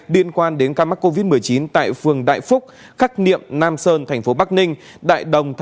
liên quan đến ca mắc covid một mươi chín tại phường đại phúc khắc niệm nam sơn thành phố bắc ninh